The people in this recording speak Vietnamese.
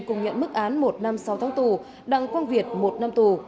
cùng nhận mức án một năm sau tháng tù đặng quang việt một năm tù